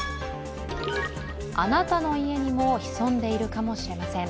あなたの家にも潜んでいるかもしれません。